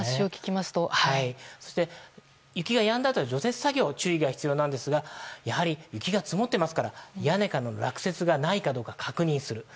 そして雪がやんだあと除雪作業に注意が必要なんですがやはり、雪が積もってますから屋根からの落雪がないか確認する。